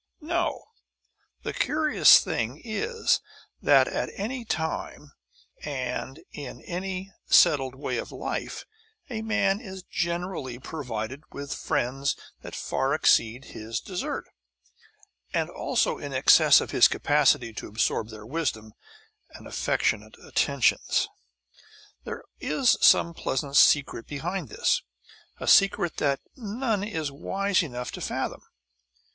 No; the curious thing is that at any time and in any settled way of life a man is generally provided with friends far in excess of his desert, and also in excess of his capacity to absorb their wisdom and affectionate attentions. There is some pleasant secret behind this, a secret that none is wise enough to fathom.